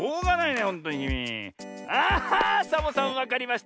サボさんわかりました。